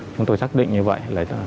chúng tôi xác định như vậy